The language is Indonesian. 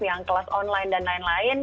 yang kelas online dan lain lain